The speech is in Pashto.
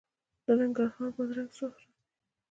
د ننګرهار بادرنګ څه وخت راځي؟